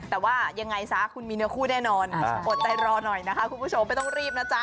แต่ว่ายังไงซะคุณมีเนื้อคู่แน่นอนอดใจรอหน่อยนะคะคุณผู้ชมไม่ต้องรีบนะจ๊ะ